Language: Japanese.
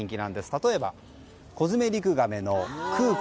例えば、コヅメリクガメのクー君。